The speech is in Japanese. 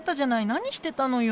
何してたのよ。